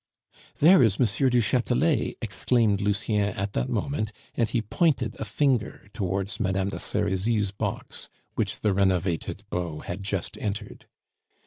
"There is M. du Chatelet," exclaimed Lucien at that moment, and he pointed a finger towards Mme. de Serizy's box, which the renovated beau had just entered.